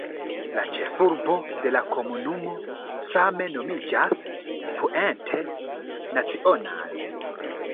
La ĉefurbo de la komunumo same nomiĝas "Puente Nacional".